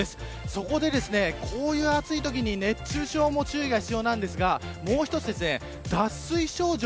そこでこういう暑いときに熱中症にも注意が必要ですがもう一つ、脱水症状